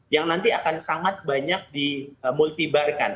yang nanti akan sangat banyak dimultibarkan